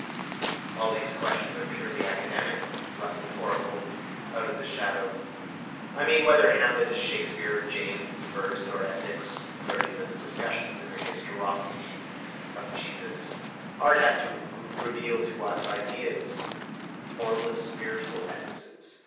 —All these questions are purely academic, Russell oracled out of his shadow. I mean, whether Hamlet is Shakespeare or James I or Essex. Clergymen's discussions of the historicity of Jesus. Art has to reveal to us ideas, formless spiritual essences.